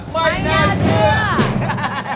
ไม่น่าเชื่อ